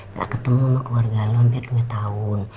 gak ketemu sama keluarga lu hampir dua tahun